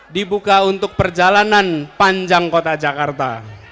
dibuka untuk perjalanan panjang kota jakarta